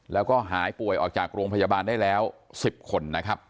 แล้วก็หายป่วยออกจากโรงพยาบาลได้แล้ว๑๐คนนะครับ